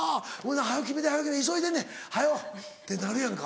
「早決めて急いでんねん早う」ってなるやんか。